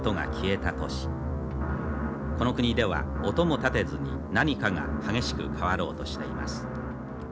この国では音も立てずに何かが激しく変わろうとしています